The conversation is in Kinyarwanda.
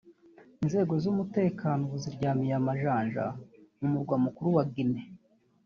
Inzego z’umutekano ubu ziryamiye amajanja mu murwa mukuru wa Guinée